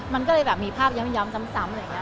มันก็เลยมีภาพย้ำซ้ำ